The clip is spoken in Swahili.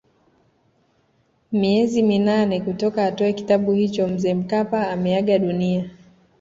Miezi minane toka atoe kitabu hicho Mzee Mkapa ameaga dunia